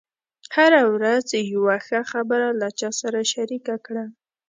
هره ورځ یوه ښه خبره له چا سره شریکه کړه.